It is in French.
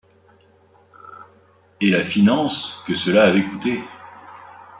Et la finance que cela avait coûté!